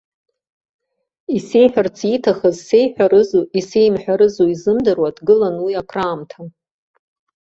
Исеиҳәарц ииҭахыз сеиҳәарызу исеимҳәарызу изымдыруа дгылан уи акраамҭа.